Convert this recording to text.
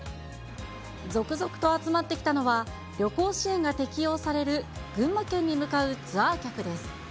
続々と集まってきたのは、旅行支援が適用される群馬県に向かうツアー客です。